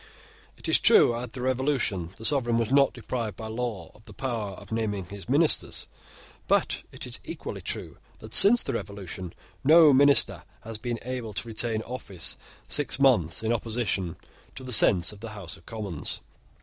It is true that, at the Revolution, the sovereign was not deprived by law of the power of naming his ministers: but it is equally true that, since the Revolution, no minister has been able to retain office six months in opposition to the sense of the House of Commons.